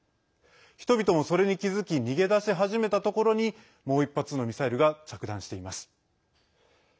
人々もそれに気付き逃げ出し始めたところにもう１発のミサイルが着弾しています。